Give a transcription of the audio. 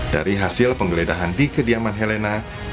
dari hasil penggeledahan di kediaman helena